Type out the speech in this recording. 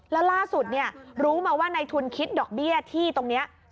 แล้วล่าสุดรู้มาว่าในทุนคิดดอกเบี้ยที่ตรงนี้